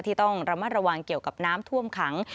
ต้องระมัดระวังเกี่ยวกับน้ำท่วมขัง